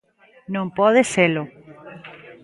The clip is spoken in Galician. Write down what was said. Non pode selo.